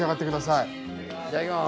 いただきます。